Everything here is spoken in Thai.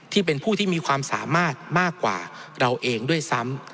ที่เป็นผู้ที่มีความสามารถมากกว่าเราเองด้วยซ้ำ